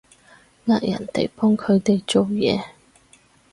呃人哋幫佢哋做嘢